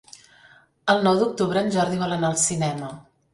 El nou d'octubre en Jordi vol anar al cinema.